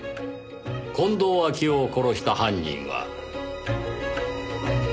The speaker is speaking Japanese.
近藤秋夫を殺した犯人は。